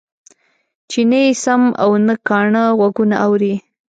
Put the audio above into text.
چې نه يې سم او نه کاڼه غوږونه اوري.